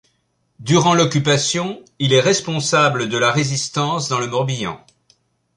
Durant l’Occupation, il est responsable de la Résistance dans le Morbihan.